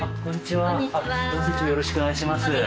本日よろしくお願いします。